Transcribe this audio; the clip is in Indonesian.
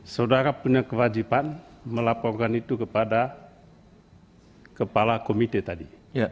saudara punya kewajiban melaporkan itu kepada kepala komite tadi